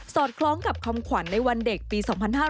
อดคล้องกับคำขวัญในวันเด็กปี๒๕๕๙